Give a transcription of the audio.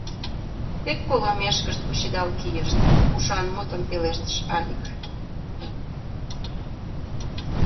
Тек колымешкышт кучедал кийышт, — ушан мутым пелештыш Алик.